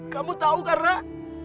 kamu tahu karena